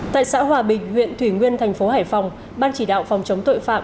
tại xã hòa bình huyện thủy nguyên thành phố hải phòng ban chỉ đạo phòng chống tội phạm